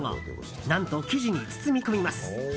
何と、生地に包み込みます。